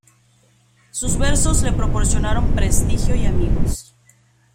Sus versos le proporcionaron prestigio y amigos.